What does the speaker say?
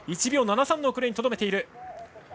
１秒７３の遅れにとどめている。